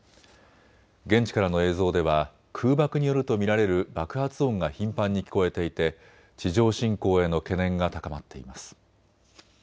現地からの映像では空爆によると見られる爆発音が頻繁に聞こえていて地上侵攻への懸念が高まっています。